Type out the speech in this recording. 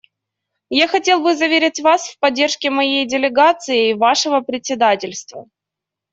Я хотел бы заверить Вас в поддержке моей делегацией Вашего председательства.